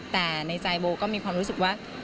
แต่ในใจโบก็มีความรู้สึกว่า